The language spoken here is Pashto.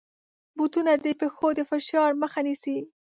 بوټونه د پښو د فشار مخه نیسي.